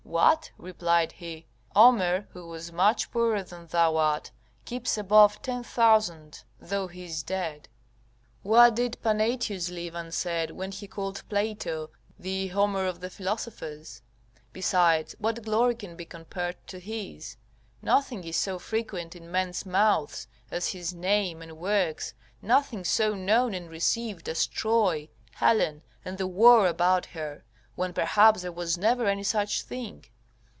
"What!" replied he, "Homer, who was much poorer than thou art, keeps above ten thousand, though he is dead." What did Panaetius leave unsaid when he called Plato the Homer of the philosophers? Besides what glory can be compared to his? Nothing is so frequent in men's mouths as his name and works, nothing so known and received as Troy, Helen, and the war about her, when perhaps there was never any such thing.